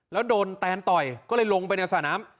แล้วโดนแตนต่อยก็เลยลงไปในสระน้ำ